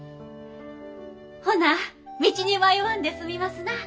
ほな道に迷わんで済みますな。